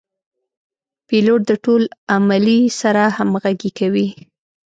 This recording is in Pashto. پیلوټ د ټول عملې سره همغږي کوي.